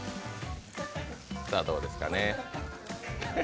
さあ、どうですかね。